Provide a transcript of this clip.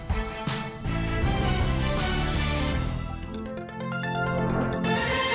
สวัสดีครับ